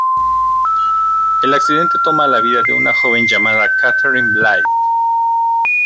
El accidente toma la vida de una joven llamada Katherine Blythe.